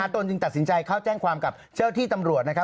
ตรงจริงจัดสินใจเขาจะแจ้งความกับเจ้าที่ตำรวจนะฮะ